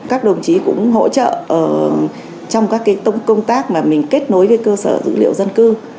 các đồng chí cũng hỗ trợ trong các công tác mà mình kết nối với cơ sở dữ liệu dân cư